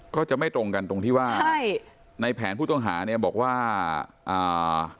ก็จะไม่ตรงกันตรงที่ว่าใช่ในแผนผู้ต้องหาเนี่ยบอกว่าอ่า